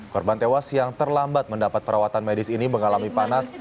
korban tewas yang terlambat mendapat perawatan medis ini mengalami panas